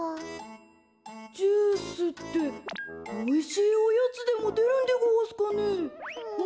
こころのこえジュースっておいしいおやつでもでるんでごわすかね？